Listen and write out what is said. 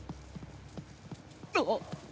あっ！